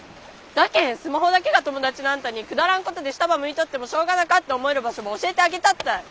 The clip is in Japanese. だけんスマホだけが友だちのあんたにくだらんことで下ばむいとってもしょうがなかって思える場所ば教えてあげたったい。